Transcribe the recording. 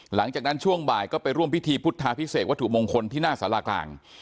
หลังจากนั้นช่วงบ่ายก็ไปร่วมพิธีพุทธาพิเศษวัตถุมงคลที่หน้าสารากลาง